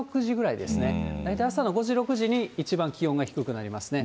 大体朝の５時、６時に一番気温が低くなりますね。